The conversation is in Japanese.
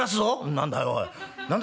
「何だいおい何だ？